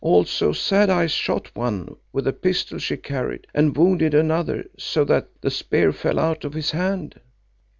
Also Sad Eyes shot one with a pistol she carried, and wounded another so that the spear fell out of his hand.